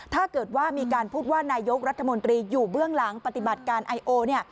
ถ้าเกิดว่ามีการพูดว่านายกรัฐมนตรีอยู่เบื้องหลังปฏิบัติการไอโอเนี่ย